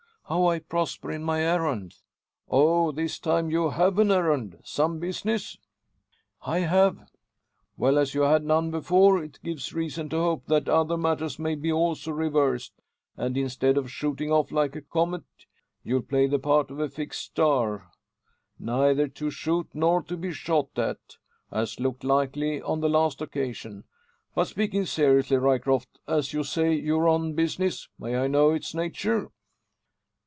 "How I prosper in my errand." "Oh! this time you have an errand? Some business?" "I have." "Well, as you had none before, it gives reason to hope that other matters may be also reversed, and instead of shooting off like a comet, you'll play the part of a fixed star; neither to shoot nor be shot at, as looked likely on the last occasion. But speaking seriously, Ryecroft, as you say you're on business, may I know its nature?"